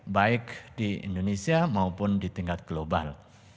baik di indonesia maupun di tingkat global